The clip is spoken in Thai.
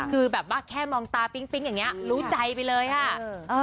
คือแบบว่าแค่มองตาปิ๊งอย่างนี้รู้ใจไปเลยค่ะ